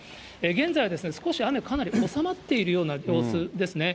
現在は少し雨、かなり収まっているような様子ですね。